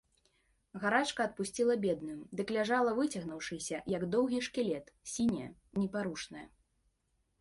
Гарачка адпусціла бедную, дык ляжала выцягнуўшыся, як доўгі шкілет, сіняя, непарушная.